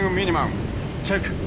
チェック！